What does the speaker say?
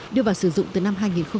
đưa vào sử dụng từ năm hai nghìn một mươi